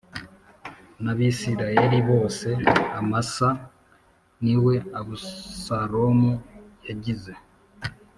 n Abisirayeli bose Amasa n ni we Abusalomu yagize